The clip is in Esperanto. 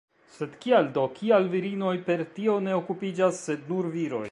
Sed kial do, kial virinoj per tio ne okupiĝas, sed nur viroj?